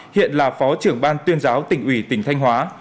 hiện là phó trưởng ban tuyên giáo tỉnh ủy tỉnh thanh hóa